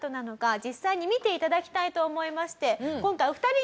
実際に見て頂きたいと思いまして。